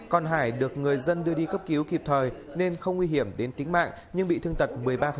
còn hải được người dân đưa đi cấp cứu kịp thời nên không nguy hiểm đến tính mạng nhưng bị thương tật một mươi ba